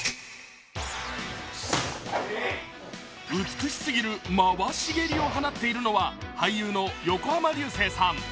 美しすぎる回し蹴りを放っているのは俳優の横浜流星さん。